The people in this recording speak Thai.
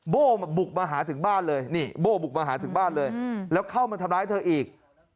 โบ้บุกมาหาถึงบ้านเลยนี่โบ้บุกมาหาถึงบ้านเลยแล้วเข้ามาทำร้ายเธออีก